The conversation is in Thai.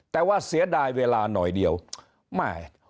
แต่ว่าเสียดายเวลาหน่อยเดียวแม่